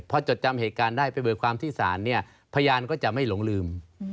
พอจดจำเหตุการณ์ได้ไปเบิกความที่ศาลเนี่ยพยานก็จะไม่หลงลืม